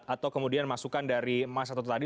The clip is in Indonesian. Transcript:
atau kemudian masukan dari mas toto tadi